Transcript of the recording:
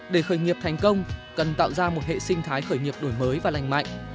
để khởi nghiệp thành công cần tạo ra một hệ sinh thái khởi nghiệp đổi mới và lành mạnh